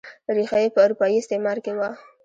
ریښه یې په اروپايي استعمار کې وه.